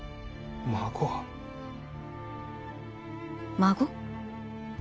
孫？